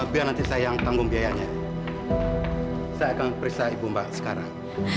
biar nanti saya yang tanggung biayanya saya akan periksa ibu mbak sekarang